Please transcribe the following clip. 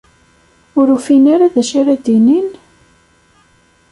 Ur ufin ara d acu ara d-inin?